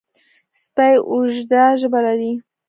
سپي اوږده ژبه لري.